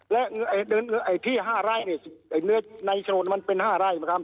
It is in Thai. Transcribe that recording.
และพี่ห้าไร้เนี่ยเนื้อในถนนมันเป็นห้าไร้